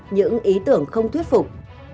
những ý tưởng không thuyết phục